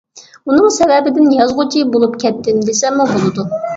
ئۇنىڭ سەۋەبىدىن يازغۇچى بولۇپ كەتتىم دېسەممۇ بولىدۇ.